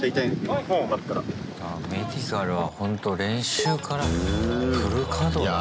メディカルはほんと練習からフル稼働なんだな。